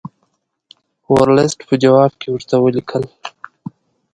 ورلسټ په جواب کې ورته ولیکل.